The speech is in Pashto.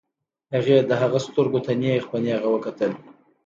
هغې د هغه سترګو ته نېغ په نېغه وکتل.